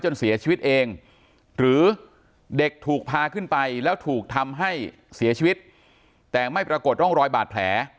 เสียชีวิตเองหรือเด็กถูกพาขึ้นไปแล้วถูกทำให้เสียชีวิตแต่ไม่ปรากฏร่องรอยบาดแผล